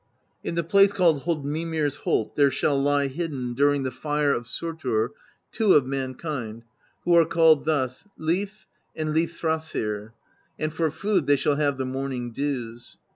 In the place called Hoddmimir's Holt there shall lie hidden during the Fire of Surtr two of mankind, who are called thus: Lif and Lifthrasir, and for food they shall have the morning dews.